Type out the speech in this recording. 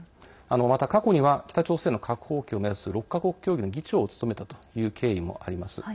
また、過去には北朝鮮の核放棄を目指す６か国協議の議長を務めたという経緯もあります。